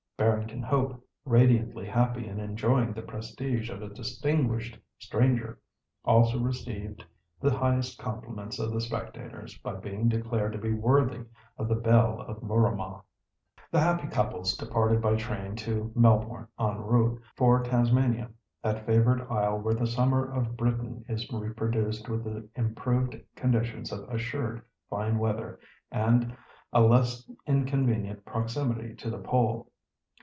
Barrington Hope, radiantly happy and enjoying the prestige of a distinguished stranger, also received the highest compliments of the spectators by being declared to be worthy of the belle of Mooramah. The happy couples departed by train to Melbourne, en route for Tasmania, that favoured isle where the summer of Britain is reproduced with the improved conditions of assured fine weather, and a less inconvenient proximity to the Pole.